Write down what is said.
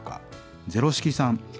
ゼロシキさん